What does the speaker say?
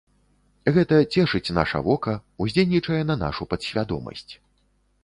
Гэта цешыць наша вока, уздзейнічае на нашу падсвядомасць.